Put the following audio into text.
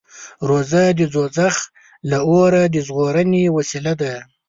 روژه د دوزخ له اوره د ژغورنې وسیله ده.